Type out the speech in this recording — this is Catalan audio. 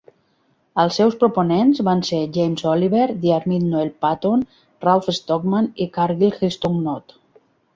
Els seus proponents van ser James Oliver, Diarmid Noel Paton, Ralph Stockman i Cargill Gilston Knott.